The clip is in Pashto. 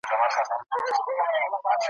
ته لا اوس هم ښکار کوې د مظلومانو `